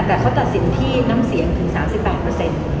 แต่เขาตัดสินที่น้ำเสียงถึง๓๘เปอร์เซ็นต์